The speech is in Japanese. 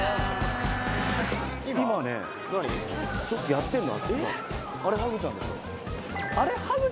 今ね、ちょっとやってるの。